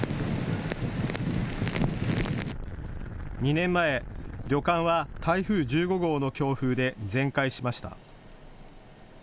２年前、旅館は台風１５号の強風で全壊しました。